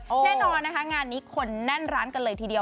แน่นอนนะคะงานนี้คนแน่นร้านกันเลยทีเดียว